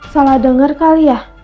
salah denger kali ya